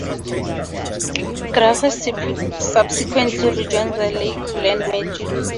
Gravett subsequently rejoined the Lakeland Magic.